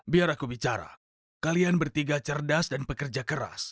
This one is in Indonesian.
biar aku bicara kalian bertiga cerdas dan pekerja keras